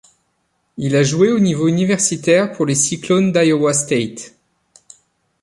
Il a joué au niveau universitaire pour les Cyclones d'Iowa State.